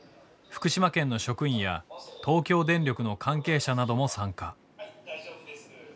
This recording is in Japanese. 福島県の職員や東京電力の関係者なども参加。